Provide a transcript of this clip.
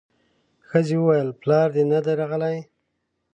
ښځې وويل پلار دې نه دی راغلی.